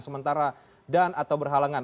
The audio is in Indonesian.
sementara dan atau berhalangan